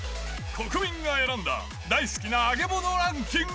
国民が選んだ大好きな揚げ物ランキング。